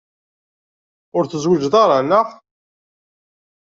Ur tezwiǧeḍ ara, neɣ?